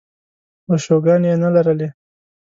ورشوګانې یې نه لرلې.